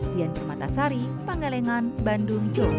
tianpeng matasari panggelengan bandung jawa barat